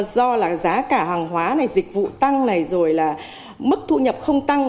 do là giá cả hàng hóa này dịch vụ tăng này rồi là mức thu nhập không tăng